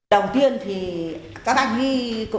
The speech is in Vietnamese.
đầu tiên thì các anh đi cũng